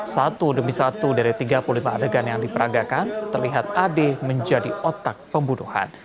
satu demi satu dari tiga puluh lima adegan yang diperagakan terlihat ade menjadi otak pembunuhan